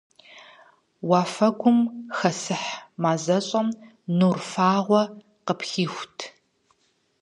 Уафэгум хэсыхь мазэщӀэм нур фагъуэ къыпихут.